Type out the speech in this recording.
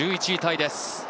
１１位タイです。